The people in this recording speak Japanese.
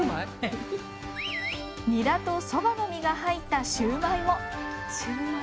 ニラとそばの実が入ったシューマイも！